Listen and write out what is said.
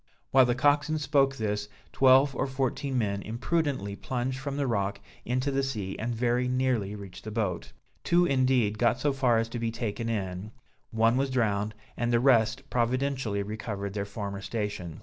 While the coxswain spoke this, twelve or fourteen men imprudently plunged from the rock into the sea, and very nearly reached the boat. Two indeed, got so far as to be taken in, one was drowned and the rest providentially recovered their former station.